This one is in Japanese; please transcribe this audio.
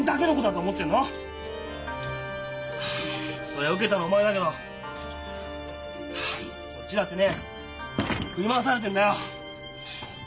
そりゃ受けたのお前だけどこっちだってね振り回されてるんだよ！